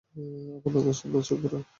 আর নতুন স্বপ্নে চোখ ভরাও।